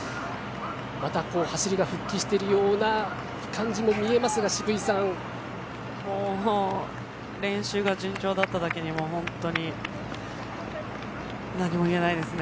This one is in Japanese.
また走りが復帰してるような感じに見えますがもう練習が順調だっただけにもうほんとに何も言えないですね。